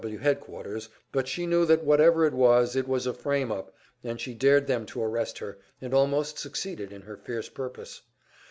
W. headquarters, but she knew that whatever it was, it was a frame up, and she dared them to arrest her, and almost succeeded in her fierce purpose.